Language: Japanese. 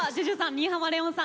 新浜レオンさん